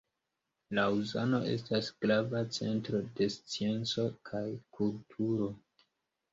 Laŭzano estas grava centro de scienco kaj kulturo.